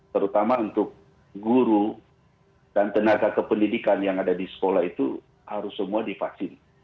terutama untuk guru dan tenaga kependidikan yang ada di sekolah itu harus semua divaksin